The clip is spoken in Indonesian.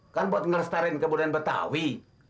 kan buat ngelestarikan kebudayaan betawi